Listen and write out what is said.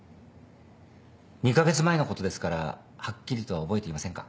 ２カ月前のことですからはっきりとは覚えていませんか。